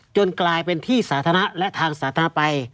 กลายเป็นที่สาธารณะและทางสาธารณไป